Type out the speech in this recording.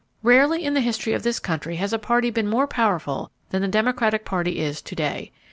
"Rarely in the history of the country has a party been more powerful than the Democratic Party is to day.